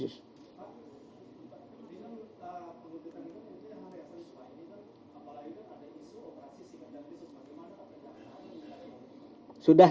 pak pimpinan untuk pembentukan ini mungkin yang hariannya seperti ini kan